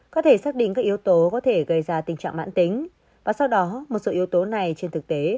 có thể xác định các yếu tố có thể gây ra tình trạng mãn tính và sau đó một số yếu tố này trên thực tế